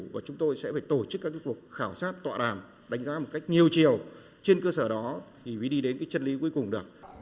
và chúng tôi sẽ phải tổ chức các cuộc khảo sát tọa đàm đánh giá một cách nhiều chiều trên cơ sở đó thì mới đi đến chân lý cuối cùng được